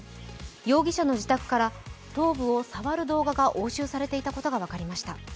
容疑者の自宅から頭部を触る動画が押収されていたことが分かりました。